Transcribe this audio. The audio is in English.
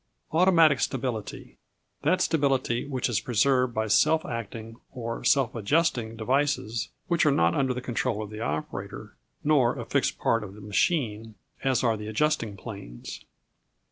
Automatic Stability That stability which is preserved by self acting, or self adjusting, devices which are not under the control of the operator, nor a fixed part of the machine, as are the adjusting planes.